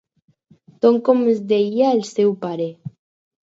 Tom com es deia el seu pare.